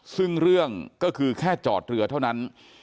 ซึ่งเรื่องก็คือแค่จอดเรือเท่านั้น